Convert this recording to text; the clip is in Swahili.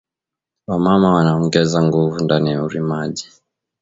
Wa mama wana ongeza nguvu ndani ya urimaji